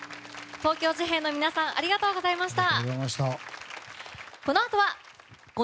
東京事変の皆さんありがとうございました。